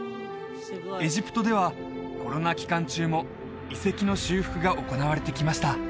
エジプトではコロナ期間中も遺跡の修復が行われてきました